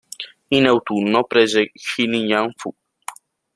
In autunno prese Xiliang-fu.